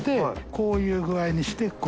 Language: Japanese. こういう具合にして海